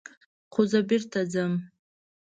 خو زه بېرته ځم.